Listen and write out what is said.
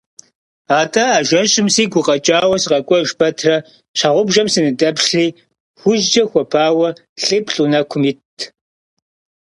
Атӏэ, а жэщым сигу укъэкӏауэ сыкъэкӏуэж пэтрэ, щхьэгъубжэм сыныдэплъри, хужькӏэ хуэпауэ лӏиплӏ унэкум итт.